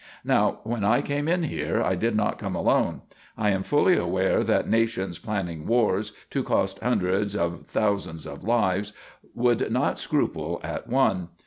"Now, when I came in here I did not come alone. I am fully aware that nations, planning wars to cost hundreds or thousands of lives, would not scruple at one.